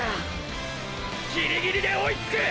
ギリギリで追いつく！！